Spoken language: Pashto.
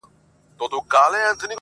تاریخي اسناد باید خوندي شي